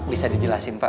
bisa dijelasin pak